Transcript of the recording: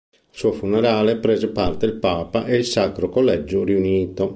Al suo funerale prese parte il papa ed il Sacro Collegio riunito.